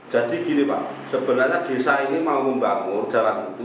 jadi gini pak sebenarnya desa ini mau membangun jalan itu